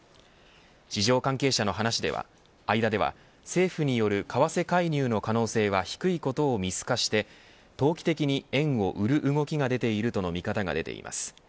市場関係者の話では政府による為替介入の可能性は低いことを見透かして投機的に円を売る動きが出ているとの見方が出ています。